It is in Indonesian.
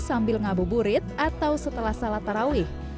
kebupurit atau setelah salat tarawih